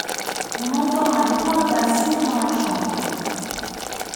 On entend un branle-bas sourd dans la chambre.